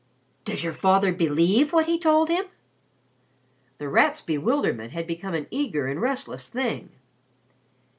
"Does your father believe what he told him?" The Rat's bewilderment had become an eager and restless thing.